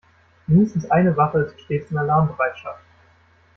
Mindestens eine Wache ist stets in Alarmbereitschaft.